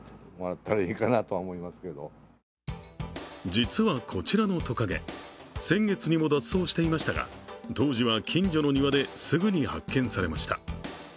実はこちらのトカゲ先月にも脱走していましたが当時は近所の庭ですぐに発見されました。